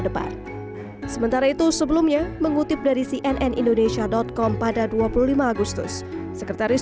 depan sementara itu sebelumnya mengutip dari cnn indonesia com pada dua puluh lima agustus sekretaris